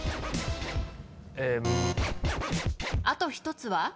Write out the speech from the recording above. あと１つは？